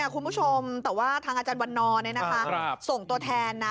คุณผู้ชมทางอาจารย์วันนอนเฉลงส่งตัวแทนนะ